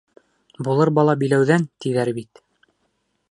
Булыр бала — биләүҙән, тиҙәр бит.